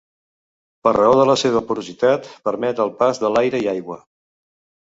Per raó de la seva porositat permet el pas de l'aire i aigua.